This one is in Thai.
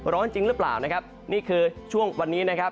ร้อนจริงหรือเปล่านะครับนี่คือช่วงวันนี้นะครับ